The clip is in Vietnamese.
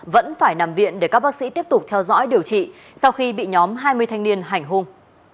vẫn phải nằm viện để các bác sĩ tiếp tục theo dõi điều trị sau khi bị nhóm hai mươi thanh niên hành hung